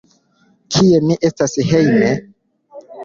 Kie mi estas hejme?